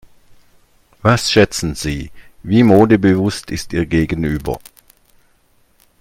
Was schätzen Sie, wie modebewusst ist Ihr Gegenüber?